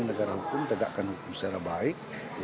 negara hukum tegakkan hukum secara baik